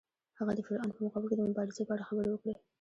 هغه د فرعون په مقابل کې د مبارزې په اړه خبرې وکړې.